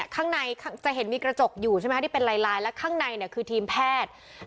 ข้างในจะเห็นมีกระจกอยู่ใช่ไหมที่เป็นลายแล้วข้างในเนี่ยคือทีมแพทย์